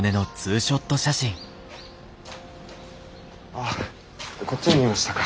ああこっちにいましたか。